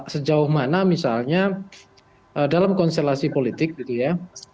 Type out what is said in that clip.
sejauh mana misalnya dalam konstelasi politik gitu ya